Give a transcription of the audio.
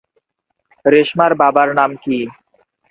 রেশমার বাবার নাম কি?